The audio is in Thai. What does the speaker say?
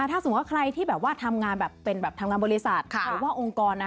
ถ้าสมมุติว่าใครที่ทำงานบริษัทหรือว่าองค์กร